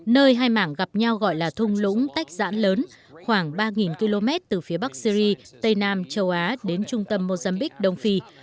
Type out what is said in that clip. nơi hai mảng gặp nhau gọi là thung lũng tách giãn lớn khoảng ba km từ phía bắc syri tây nam châu á đến trung tâm mozambique đông phi